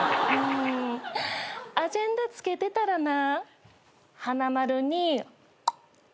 アジェンダつけてたらな花丸に。